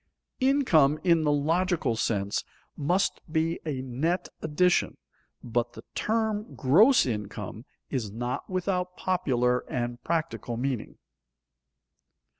_Income in the logical sense must be a net addition, but the term gross income is not without popular and practical meaning.